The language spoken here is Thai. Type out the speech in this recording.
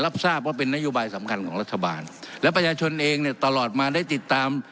รับทราบว่าเป็นนโยบายสำคัญของรัฐบาลและประชาชนเองเนี่ยตลอดมาได้ติดตาม